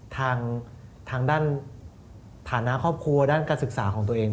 ทางด้านฐานะครอบครัวด้านการศึกษาของตัวเอง